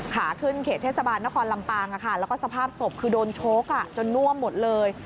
ขาขึ้นเขตเทศบาลนครลำปางแล้วก็สภาพศพคือโดนโชคจนน่วมหมดเลย